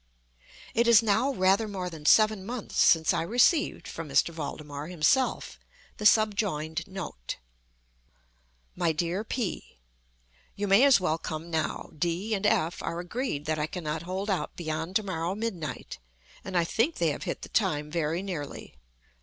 It is now rather more than seven months since I received, from M. Valdemar himself, the subjoined note: MY DEAR P——, You may as well come now. D—— and F—— are agreed that I cannot hold out beyond to morrow midnight; and I think they have hit the time very nearly.